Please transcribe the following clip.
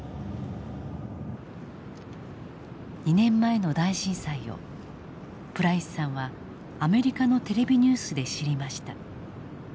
２年前の大震災をプライスさんはアメリカのテレビニュースで知りました。